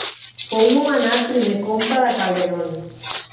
Fou nomenat primer comte de Calderón.